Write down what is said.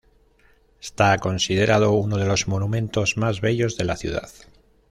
Está considerado uno de los monumentos más bellos de la ciudad.